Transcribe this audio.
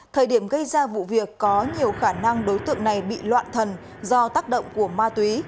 thời điểm gây ra vụ việc có nhiều khả năng đối tượng này bị loạn thần do tác động của ma túy